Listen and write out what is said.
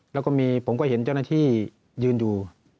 แล้วก็มีผมก็เห็นเจ้าหน้าที่ยืนอยู่